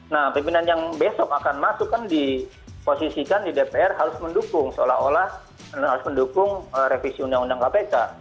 nah pimpinan yang besok akan masuk kan diposisikan di dpr harus mendukung seolah olah harus mendukung revisi undang undang kpk